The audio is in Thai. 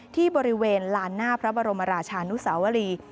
ที่บริเวณลานหน้าพระบรมราชานุสาวรี